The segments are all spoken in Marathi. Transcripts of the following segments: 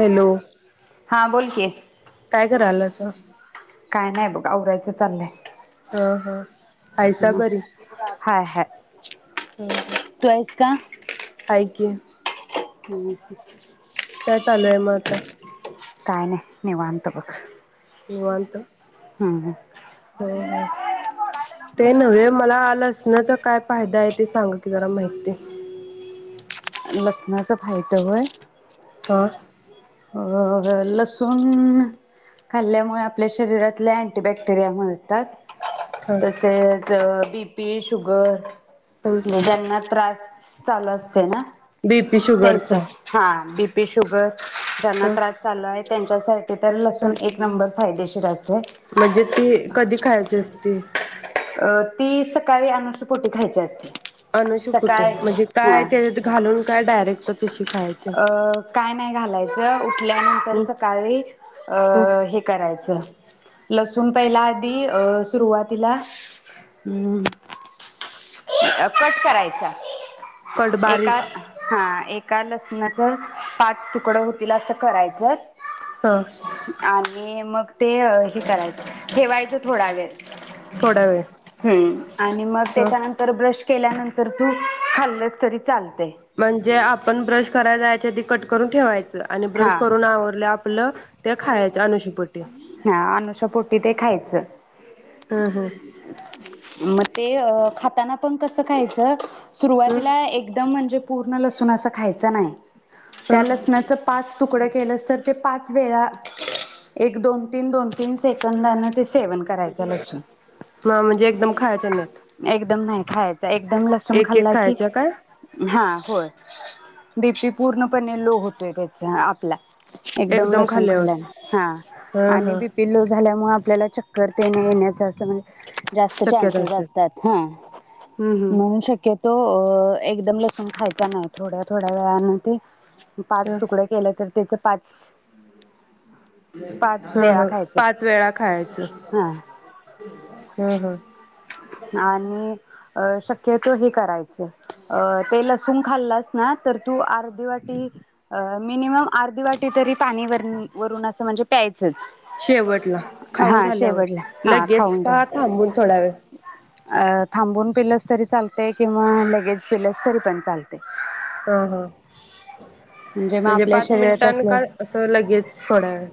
हॅलो हा बोल की काय करायला? [unintelligible] काय नाय बघा आवरायच चाललय हो हो हायस बरी हाय हाय हो हो तू आहेस का? हाय की [inaudible] काय चालू आहे म आता काय नाय निवाांत बघ निवांत हम्म हम्म. हं हं ते नव्हे मला लसण्याचा काय फायदा आहे ते सांग की जरा माहिती. लसणाचा फायद होय.... हा अ लसूण खाल्ल्यामुळे आपल्या शरीरातल्या अँटीबॅक्टेरिया मारतात. हा तसेच बी बी, शुगर म ज्यांना त्रास..... चालू असतय ना. बीपी शुगरचा. ते शुगर ज्यांना ह त्रास चालू आहे त्यांच्यासा ते तर ह लसून एक नंबर फायदेशीर असतोय. म्हणजे ती कधी खायची असते अ ती सकाळी अनुषपोटी खायची असते. अनुशीपोटी सकाळी म्हणजे हा काय त्याच्यात घालून काय डायरेक्ट तशी खायची अ काय नाही घालाय ह उठल्यानंतर ह सकाळी अ ह हे करायचं लसूण पहिला आधी अ सुरुवातीला कट करायचा. कट एका बारीक हा एक एका लसणाच पाच तुकड होतील असं करायचं..... हा आणि मग ते हे करायचं ठेवायचं. थोडा वेळ थोडा वेळ हम्म आणि मग ह त्याच्यानंतर केल्यानंतर तू खाल्लस तरी चालतय म्हणजे आपण ब्रश करायला जायच्या आधी कट करून ठेवायचं. आणि ब्रश हा करून आवरले आपलं ते खायच अनुषा पोटी..... हा अनुषा पोट्टी ते खायच च हम्म हम्म मग ते अ खात त्यांना पण कसं खायचं हम्म सुरुवातीला एकदम म्हणजे पूर्ण लसूण असा खायचा नाही. ह त्या लसणाच पाच तुकडं केलं तर ते पाच वेळा एक दोन तीन दोन तीन सेंकंदान ते सेवन करायच लसूण, ह म्हणजे एकदम खायच्या नाहीत एकदम नाही. खायाचं एकदम लसूण एक एक खाल्ला की खायच्या काय हा होय बी पी पूर्ण पणे लो होतोय त्याचा आप [unintelligible] एकदम लसूण खाल्ला नाही हा हा आणि हा बी पिल्लो झाल्यामुळे आपल्याला चक्कर ते न येण्याचं असं म्हणजे जास्त शक्यता चान्सेस असते असतात हा हम्म म्हणून हम्म शक्यतो. तो एकदम लसूण खायचा नाही थोड्या थोड्या वेळाने ते पाच तुकड केलं तर त्याच... पाच पाच [unintelligible] हं वेळा हं खायचं पाच वेळा खायाचं हा हं हं आणि अ शक्यतो हे करायचं ते लसूूण खाल्लास ना तर तू अर्धी वाटी मिनिमम अर्धी वाटी तरी पाणी वर वरून असं म्हणजे प्यायच.... शेवटला, खाऊन शेवटला झाल्यावर हा लगेच खाऊन घ्या का थांबून थोडा वेळ. अ थांबून पिलस तरी चालते किंवा लगेच पिलस तरी पण चालतंय. हा हा मग म्हणजे आपल्या पाच शरीरात मिनिटांन असले का असं लगेच थोड्या वेळ...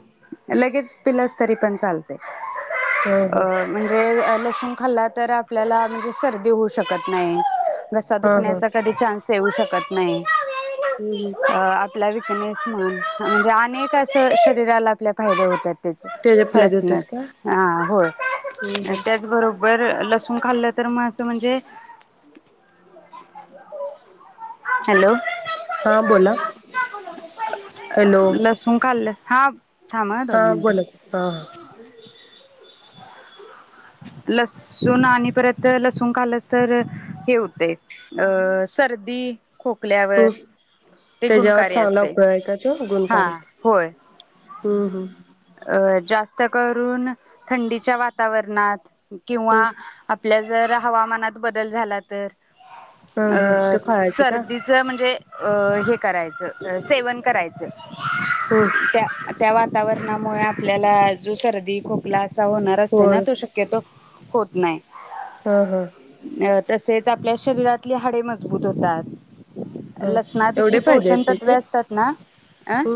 लगेच पिलस तरी पण चालतंय. हा अ हा म्हणजे लसूण खाल्ला तर आपल्याला म्हणजे सर्दी होऊ शकत नाही. घसा दुखण्याचा कधी चान्स येऊ शकत नाही. हम् हम् अ आपला विकनेस म्हणून म्हणजे अनेक अस शरीराला आपल्या फायदे होतात. तेच त्याचे फायदे होतात लसणाच का? हा होय हम्म आणि हम्म. त्याच बरोबर लस लसुण खाल्लं तर म असं तो म्हणजे हॅलो हा बोला हॅलो लसूण खाल्लं हा थांबा हा दोन मिनिटं. बोला की हा हा लसूण आणि परत लसुण खल्लस तर हे होतय अ सर्दी खोकल्यावर हम् ते त्याच्यावर गुणकारी चांगला असते. उपाय आहे का तो हा गुणकारी होय हम् हम अ जास्त करून थंडीच्या वातावरणात किंवा हम्म. आपल्या जर हवामानात बदल झाला तर हा हा अ ते खायचे का सर्दीच म्हणजे अ हे करायच सेवन करायचं हम्म त्या त्या वातावरणात मुळे आपल्याला जो सर दि, खोकला असा होणार असतो ना होय तो शक्यतो होत नाही. हा हा अ तसेच आपल्या शरीरातले हाडे मजबूत होतात. हा लसणात जी एवढे फायदे पोषण आहेत तत्वे असतात ना अं त्यांचे?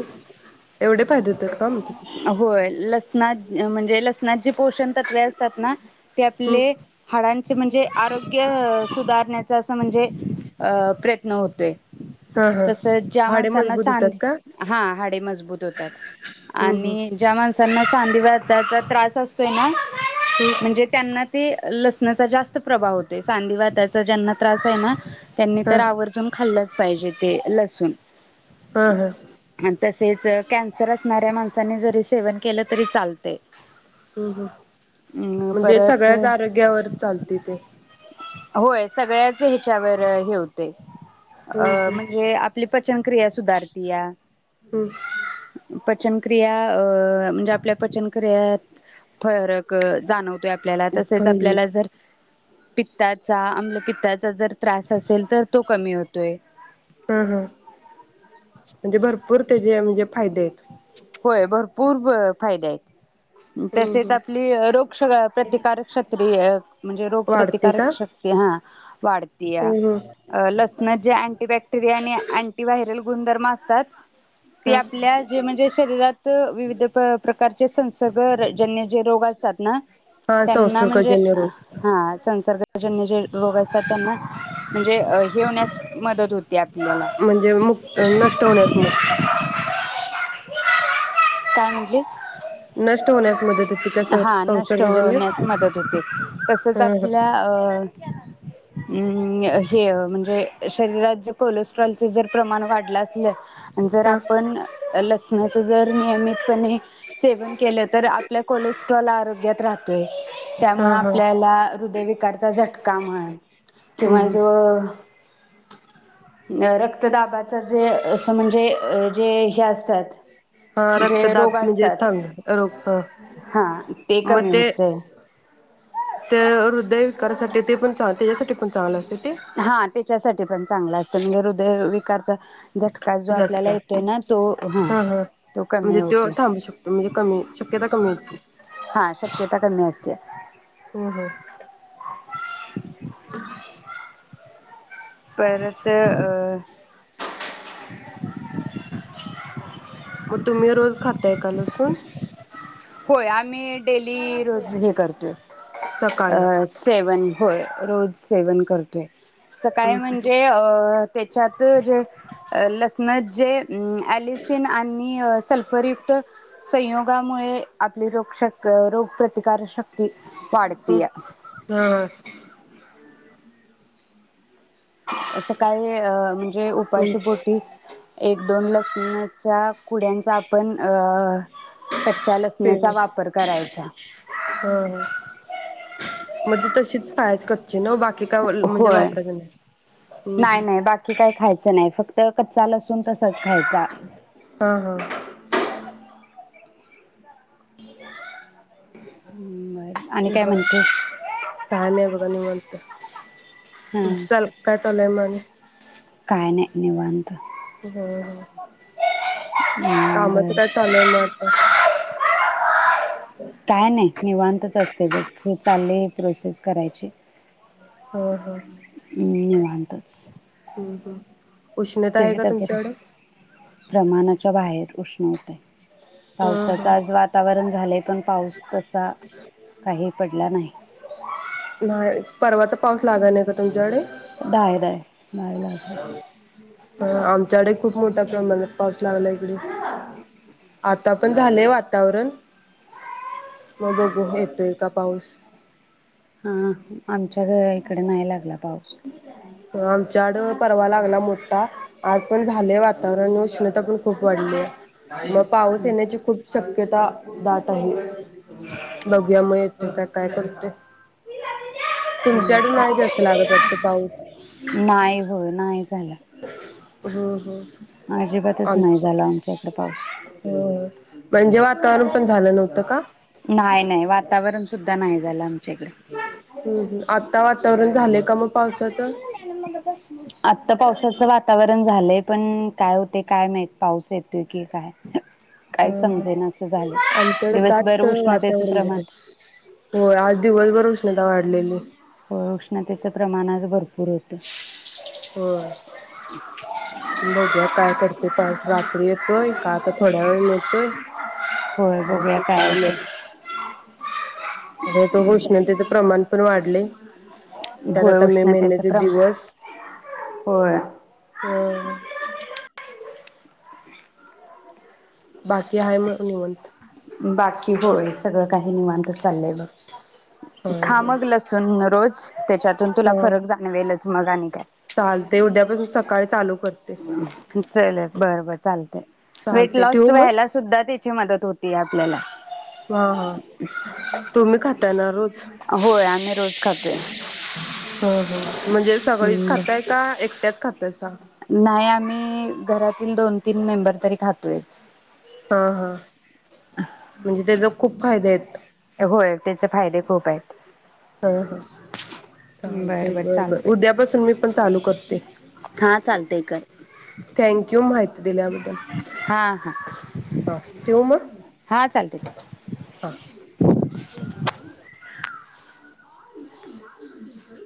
एवढे फायदे होतात का मग त्याचे होय लसणा म्हणजे लसनाची पोषण तत्वे असतात ना ते हम्म आपले हाडां म्हणजे आरोग्य सुधारण्याचा अस म्हणजे अ प्रयत्न होतोय. हा हा. तस ज्या हाडे माणसना मजबूत होतात सांदे का हा हाडे मजबूत होतात. हम्म आणि हम्म आणि ज्या माणसांना सांधिवात त्याचा त्रास असतोय ना हम्म म्हणजे त्यांना ते लसणाचा जास्त प्रभाव होतोय सांधी वाताचा ज्यांना त्रास आहे ना त्यांनी हा तर आवर्जून खाल्लंच पाहिजे ते लसूण. हां हां.. तेच कॅन्सर असणाऱ्या माण चणे जरी सेवन केलं तरी चालते हम्म हम्म म्हणजे परत सगळ्याच आरोग्यावर चालते ते होय सगळ्याच ह्याच्यावर हे हुतय हम्म अ हम्म म्हणजे आपली पचन क्रिया सुधारतीया हम्म. प - क्रिया म्हणजे आपल्या पचन क्रियात फरक जाणव होतोय आपल्याला तसेच हम्म. आपल्याला जर पित्ताचा अमलपित्ताचा जर त्रास असेल.... तर तो कमी होतोय हां हां म्हणजे भरपूर त्याजे म्हणजे फायदे आहेत.. होय भरपूर फायदे आहेत हम्म तसेच हम्म आपली रोग क्ष प्रतिकारक क्षत्री म्हणजे रोग वाढते का? प्रतिकारक शक्ती हां.... वाढ तिया हम्म हम्म लसणात जे अँटी बॅक्टेरिया आणि अँटी व्हायरल गुणधर्म असतात ते हा आपल्या जे म्हणजे शरीरात विविध प्रकारचे संसर्ग जन्य जे रोग असतात ना हा त्यांना म्हणजे संसर्गजन्य रोग हां संसर्गजन्य जे रोग असतात त्यांना म्हणजे हे होण्यास मदत होते आपल्याला म्हणजे मुक्त नष्ट होण्यास मुक्त [unintelligible] काय म्हणलीस नष्ट होण्यास मदत होती का [unintelligible] सर हां नष्ट संसर्गजन्य होण्यास मदत होते तसंच हा हा आपल्या अ अम्म हे म्हणजे शरीरात जर [unintelligible] कोलेस्ट्रॉलच जर प्रमाण वाढलं असलं आणि जर हा आपण [inaudible] लसणाच जर नियमितपणे... सेवन केलं तर आपल्या कोलेस्ट्रॉल आरोग्यात राहतोय त्यामुळे हा हा आपल्याला हृदयविकारचा झटका म्हण हम्म किंवा हम्म जो रक्तदाबाच जे असं म्हणजे जे हे अस... त्यात हा जे रोग रक्तदाब म्हणजे असतात थांब रोग हा हां ते कमी होतय तर हृदयविकारासाठी ते पण चांग त्याच्यासाठी पण चांगलं असे हां त्याच्यासाठी पण चांगल असतं म्हणजे हृदय विकारचा... झटका जो आपल्याला झटका येतोय ना तो हां हा हा तो कमी म्हणजे तो होतोय थांबू शकतो म्हणजे कमी शक्यता कमी येते. हां शक्यता कमी असत्या.. हम्म हम्म [unintelligible] परत अ [inaudible] मग तुम्ही रोज खाताय का लसून? होय आम्ही डेली रोज हे करतोय. सकाळी अ सेवन होय रोज सेवन करतोय. सकाळी हम्म म्हणजे अ त्याच्यात जे अ लसणत जे एलिसीन आणि सल्फर युक्त संयोगामुळे आपले रोग शक-रोगप्रति प्रतीकार शक्ती हम्म वाढतीया. हा सकाळी अ म्हणजे हम्म उपाशीपोटी एक दोन ल उनत अशा कुड्यांचा आपण अं कच्च्या ते लसणाचा हा वापर करायचा. हा. कत होय हम्म हम्म नाही-नाही बाकी काही खायचं नाही फक्त च कच्चा लसूण कस आत्ताच खायचा स हा हा केला बर आणि काय बर म्हणतेस काय नाही बघा निवांत. हा चला काय चाललय म आणि काय नाही निवांत. हा हा हम्म कामाचं बर काय चालय मग आता. काय नाही निवांतच असते बघ हे चालले प्रोसेस करायची. हा हा हम् निवांतच हम्म हम्म उष्णता आहे तुझी का तब्येत तुमच्याकडं प्रमाणाच्या बाहेर उष्ण होतंय. हा पावसाच हा आज वातावरण झालय. पण पाऊस तसा काही पडला नाही. नाही परवाचा पाऊस लागायला नाही का तुमच्याकडे? Bye bye. आ आम च्याकडे खूप मोठ्या प्रमाणात पाऊस लागला इकडे. आता पण झालय वातावरण मग बघू येतोय का पाऊस? हा हम्म आमच्या ग इकड नाही लागला. पाऊस. आ आमच्याडू परवा लागला मोठा आज पण झालय वातावरण उष्णता पण खूप वाढली आहे. मग पाऊस येण्याची खूप शक्यता दाट आहे. बघुया मिळेल. तर काय? काय करतोय? तुमच्याकड नाही जास्त लागत वाट नाही हो नाही जा झालं ह ह अजिबातच नाही झाला आमच्या इकडे पाऊस चालू पण झालं नव्हतं का? नाही-नाही वातावरण सुद्धा नाही गलम हम्म हम्म आता वातावरण झालय. आता पावसाचं वातावरण झालंय. पण काय होते काय माहित पाऊस येतोय की काय? हा काय हा समजेन असं झालं आमच्याकडं दिवसभर दाट उष्णतेचं वातावरण झालं. प्रमाण हो आज दिवसभर उष्णता वाढलेली. हो उष्णतेचं प्रमाण आज भरपूर होतं. होय बघुया काय करतोय पाऊस रात्री येतोय का? आता थोड्या वेळान येतोय. होय काय बघूया ते कायळ होतं. बहुतेक उष्णतेच प्रमाण पण वाढलय. त्यात होय आता मे उष्णतेचं महिन्याचे प्रमाण दिवस. होय अ [inaudible] बाकी हाय म निवांत? बाकी होय सगळं काही निवांत चाललंय बघ. हा खा मग हा लसूण रोज त्याच्यातून तुला हा फरक जाणवेलच मग आणि काय चालते. उद्यापासून सकाळी चालू कर चल बर-बर चालतय वेट चालते लॉस ठेवू मग व्हायला सुद्धा त्याची मदत पहात होते आपल्याला हा हा तुम्ही खाताना रोज होय आम्ही रोज खातोय. ह ह म्हणजे सगळीच खाताय का एकट्यात खातोय. नाही आम्ही घरातील दोन तीन मेंबर तरी खातोयच हा हा म्हणजे त्याज खूप फायदे आहेत. होय त्याचे फायदे खूप आहेत. हा हा चालतय बरं बर बर-बर चालतय उद्यापासून मी पण चालू करते. हा चालतय कर थँक यू माहिती दिल्याबद्दल हा हा हा ठेवू मग [unintelligible] हं [unintelligible]